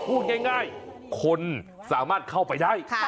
พูดง่ายคนสามารถเข้าไปได้